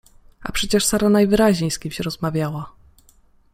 A przecież Sara najwyraźniej z kimś rozmawiała!